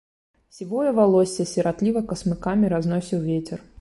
Сівое валоссе сіратліва касмыкамі разносіў вецер.